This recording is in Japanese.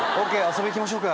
遊びいきましょうか。